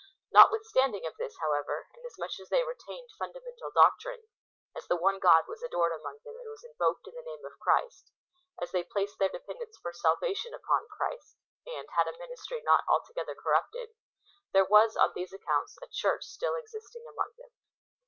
Notwithstanding of this, however, inasmuch as they retained fundamental doctrine : as the one God was adored among them, and was invoked in the name of Christ : as they placed their dependence for salvation upon Christ, and, had a ministry not altogether corrupted : there was, on these accounts, a Church still existing among them.